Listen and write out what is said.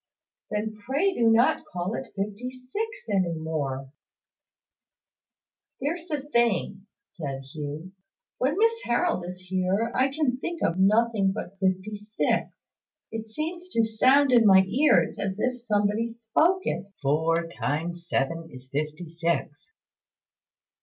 "Then pray do not call it fifty six any more. Miss Harold " "There's the thing," said Hugh. "When Miss Harold is here, I can think of nothing but fifty six. It seems to sound in my ears, as if somebody spoke it, `four times seven is fifty six.'"